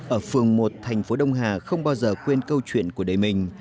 ở phường một thành phố đông hà không bao giờ quên câu chuyện của đời mình